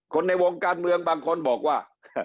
ในวงการเมืองบางคนบอกว่า